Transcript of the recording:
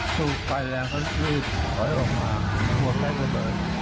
ถูกไปแล้วเขารีบขอยออกมาหัวใกล้ระเบิด